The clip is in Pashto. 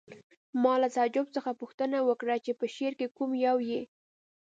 ما له تعجب څخه پوښتنه وکړه چې په شعر کې کوم یو یې